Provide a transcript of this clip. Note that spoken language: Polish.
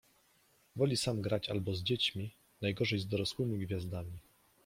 Woli grać sam albo z dziećmi, najgorzej z dorosłymi gwiazdami.